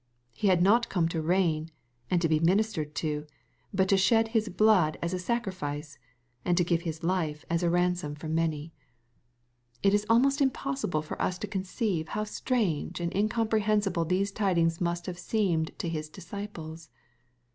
He had not come to reign, and be ministered to, but to shed His blood as % sacrifice, and to give His life as a ransom for many. MATTHEW, CHAP. XVI. 199 r It is almost impossible for tis to conceive how strange 1 and incomprehensible these tidings must have seemed to j His disciples.